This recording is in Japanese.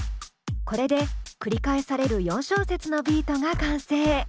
これで繰り返される４小節のビートが完成。